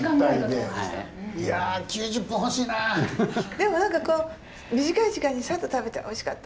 でも何かこう短い時間にさっと食べて「おいしかった！